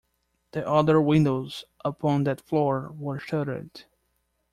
The other windows upon that floor were shuttered.